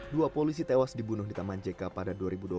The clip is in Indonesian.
dua polisi tewas dibunuh di taman jk pada dua ribu dua belas